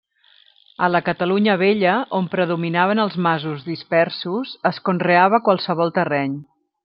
A la Catalunya Vella, on predominaven els masos dispersos, es conreava qualsevol terreny.